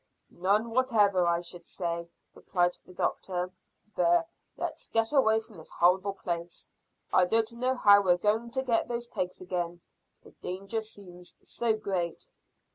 "None whatever, I should say," replied the doctor. "There, let's get away from this horrible place. I don't know how we're going to get those kegs again. The danger seems too great."